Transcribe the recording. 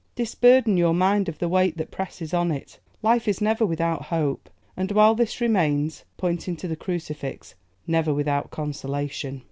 Disburden your mind of the weight that presses on it. Life is never without hope, and, while this remains,' pointing to the crucifix, 'never without consolation.